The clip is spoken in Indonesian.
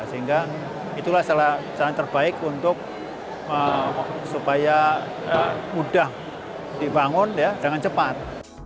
sehingga itulah cara terbaik untuk supaya mudah dibangun dengan cepat